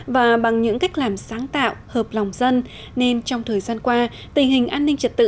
và bằng những cách làm sáng tạo hợp lòng dân nên trong thời gian qua tình hình an ninh trật tự